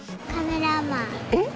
えっ？